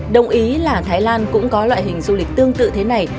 đồng ý là thái lan cũng có loại hình du lịch tương tự thế này